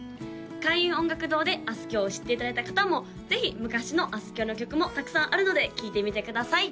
開運音楽堂であすきょうを知っていただいた方もぜひ昔のあすきょうの曲もたくさんあるので聴いてみてください